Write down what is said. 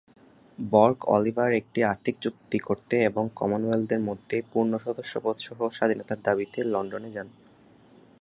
বর্গ অলিভার একটি আর্থিক চুক্তি করতে এবং কমনওয়েলথের মধ্যে পূর্ণ সদস্যপদ সহ স্বাধীনতার দাবিতে লন্ডনে যান।